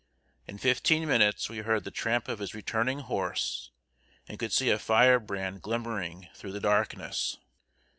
In fifteen minutes we heard the tramp of his returning horse, and could see a fire brand glimmering through the darkness.